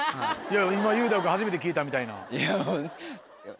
今雄大君初めて聞いたみたいな。